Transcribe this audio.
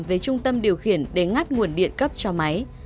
về trung tâm điều khiển để ngắt nguồn điện cấp cho máy